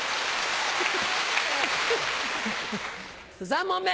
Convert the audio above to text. ３問目！